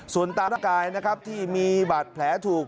ส่วนตามร่างกายนะครับที่มีบาดแผลถูก